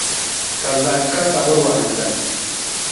ትከለአከ ጸብር ወዐንደል።